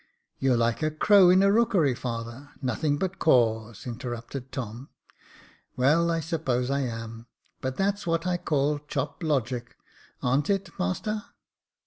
" You're like a crow in a rookery, father — nothing but caws," interrupted Tom. " Well, I suppose I am ; but that's what I call chop logic — aren't it, master